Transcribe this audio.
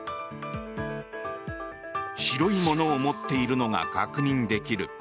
白いものを持っているのが確認できる。